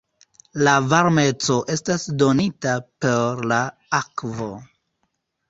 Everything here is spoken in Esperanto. La varmeco estas donita per la akvo.